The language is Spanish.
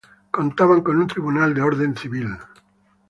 Contaban con un tribunal del orden civil.